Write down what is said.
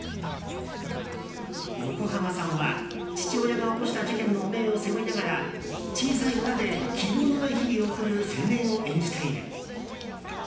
横浜さんは、父親が起こした事件の汚名を背負いながら小さい村で希望のない日々を送る青年を演じている。